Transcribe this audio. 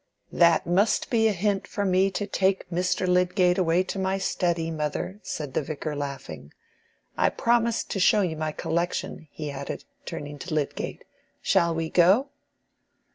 "That must be a hint for me to take Mr. Lydgate away to my study, mother," said the Vicar, laughing. "I promised to show you my collection," he added, turning to Lydgate; "shall we go?"